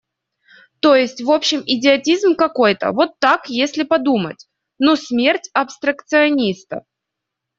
То есть, вообще идиотизм какой-то, вот так, если подумать: ну, смерть абстракциониста.